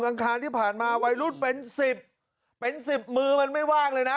วันทางที่ผ่านมาไวรุสเป็นสิบเป็นสิบมือมันไม่ว่างเลยน่ะ